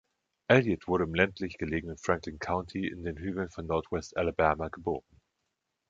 Elliott wurde im ländlich gelegenen Franklin County in den Hügeln von Nordwest-Alabama geboren.